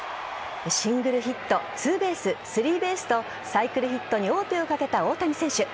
シングルヒットツーベース、スリーベースとサイクルヒットに王手をかけた大谷選手。